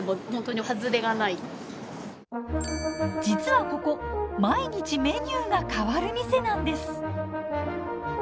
実はここ毎日メニューが変わる店なんです。